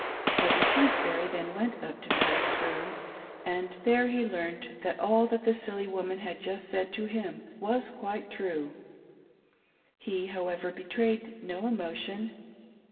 Elder Shrewsbury then went up to Mar/s room, and there he learned that all that the silly woman had just said to him was quite true. He, however, betrayed no emotion.